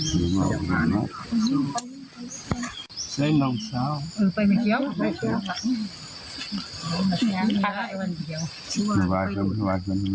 ไหนพูดนี่เหลื่อยหื้ออายนี่